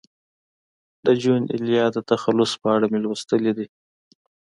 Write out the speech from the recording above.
د جون ایلیا د تخلص په اړه مې لوستي دي.